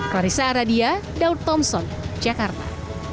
clarissa aradia daud thompson jakarta